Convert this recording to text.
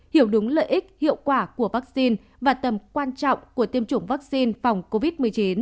hiểu đúng lợi ích hiệu quả của vaccine và tầm quan trọng của tiêm chủng vaccine phòng covid một mươi chín